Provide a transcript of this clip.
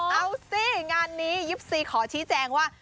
เอาสิงานนี้๒๔ขอชี้แจงว่า